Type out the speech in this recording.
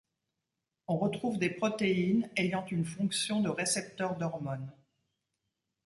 On retrouve des protéines ayant une fonction de Récepteur d'hormone.